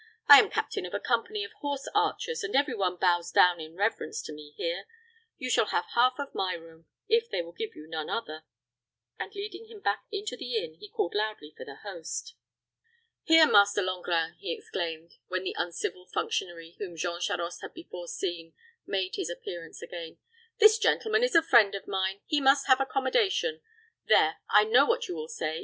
"I am captain of a company of horse archers, and every one bows down in reverence to me here. You shall have half of my room, if they will give you none other;" and, leading him back into the inn, he called loudly for the host. "Here, Master Langrin," he exclaimed, when the uncivil functionary whom Jean Charost had before seen made his appearance again, "this gentleman is a friend of mine. He must have accommodation there, I know what you would say.